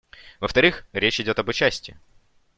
Во-вторых, речь идет об участии.